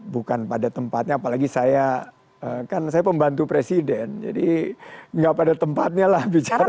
bukan pada tempatnya apalagi saya kan saya pembantu presiden jadi nggak pada tempatnya lah bicara